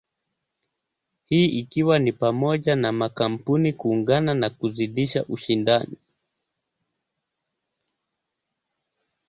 Hii ikiwa ni pamoja na makampuni kuungana na kuzidisha ushindani.